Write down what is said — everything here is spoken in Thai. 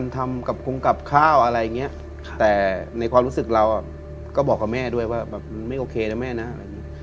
แต่ในความรู้สึกเราก็บอกกับแม่ด้วยว่าแบบมันไม่โอเคนะแม่นะอะไรงี้